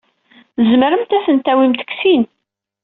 Tzemremt ad ten-tawimt deg sin.